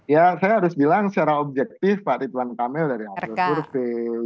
ya saya harus bilang secara objektif pak ridwan kamil dari hasil survei